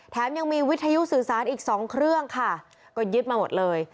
แถมยังมีวิทยุสื่อสารอีกสองเครื่องค่ะก็ยึดมาหมดเลย